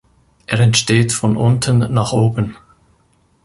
Er entsteht von unten nach oben.